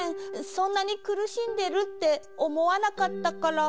そんなにくるしんでるっておもわなかったから。